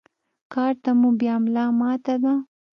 کار ته مو بيا ملا ماته ده.